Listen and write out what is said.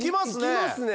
いきますね！